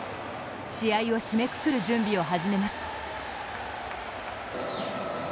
試合を締めくくる準備を始めます。